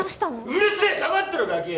うるせぇ黙ってろガキ！